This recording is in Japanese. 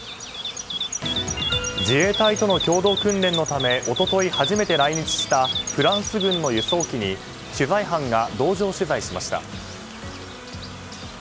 自衛隊との共同訓練のため一昨日初めて来日したフランス軍の輸送機に取材班が同乗取材しました。